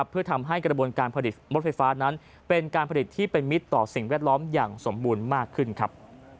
เพื่อทำให้กระบวนการผลิตรถไฟฟ้านั้นเป็นการผลิตที่เป็นมิตรต่อสิ่งแวดล้อมอย่างสมบูรณ์มากขึ้นครับ